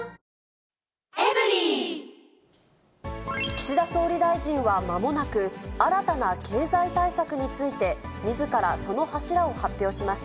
岸田総理大臣はまもなく新たな経済対策について、みずからその柱を発表します。